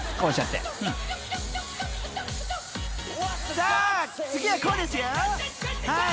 ［さあ次はこうですよ。はい！］